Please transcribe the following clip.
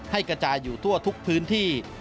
กระจายอยู่ทั่วทุกพื้นที่